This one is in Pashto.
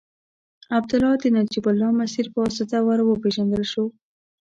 عبدالله د نجیب الله مسیر په واسطه ور وپېژندل شو.